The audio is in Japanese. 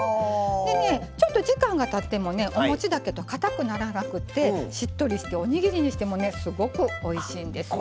ちょっと時間がたってもおもちだけど、かたくならなくてしっとりして、おにぎりにしてもすごくおいしいんですよ。